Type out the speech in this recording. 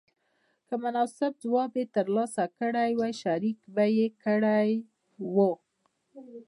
که مناسب ځواب یې تر لاسه کړی وای شریک به یې کړی وای.